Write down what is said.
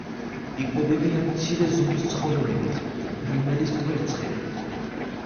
იკვებებიან მცირე ზომის ცხოველებით, ფრინველის კვერცხებით.